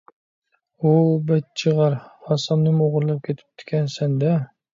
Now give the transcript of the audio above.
ھۇ بەچچىغەر، ھاسامنىمۇ ئوغرىلاپ كېتىپتىكەنسەن - دە!